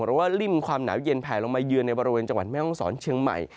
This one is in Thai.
หรือว่าริ่มความหนาวเย็นแผลลงมาเยือนในบริเวณจังหวัดแม่ห้องศรเชียงใหม่